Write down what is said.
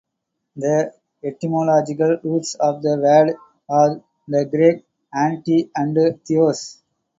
The etymological roots of the word are the Greek "anti" and "theos.